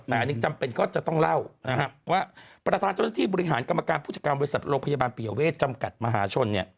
อันนี้จำเป็นก็จะต้องเล่าว่าประธานเจ้าหน้าที่บริหารกรรมการผู้จัดการบริษัทโรงพยาบาลปิยเวทจำกัดมหาชน